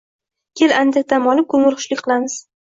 Kel, andak dam olib, ko`ngilxushlik qilamiz